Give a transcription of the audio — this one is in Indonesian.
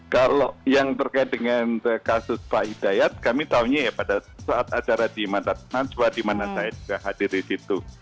kalau yang terkait dengan kasus pak hidayat kami tahunya ya pada saat acara di mandat najwa di mana saya juga hadir di situ